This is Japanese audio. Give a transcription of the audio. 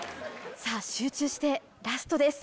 さぁ集中してラストです。